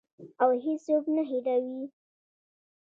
او هیڅوک نه هیروي.